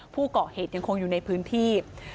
ผู้ก่อเหตุยังคงอยู่ในพื้นที่